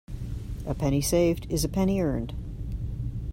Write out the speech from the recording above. A penny saved is a penny earned.